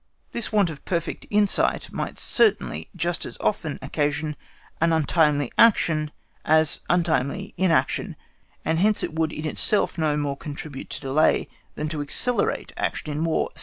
This want of perfect insight might certainly just as often occasion an untimely action as untimely inaction, and hence it would in itself no more contribute to delay than to accelerate action in War.